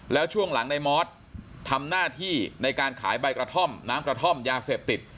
แล้วช่วงหลังในมอสทำหน้าที่ในการขายใบกระท่อมน้ำกระท่อมยาเสพติด